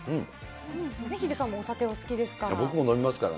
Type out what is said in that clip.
ヒデさんもお酒好きですから。